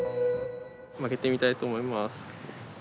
曲げてみたいと思います。